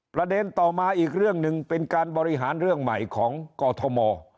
ประเด็นต่อมาอีกเรื่องหนึ่งเป็นการบริหารเรื่องใหม่ของกอทม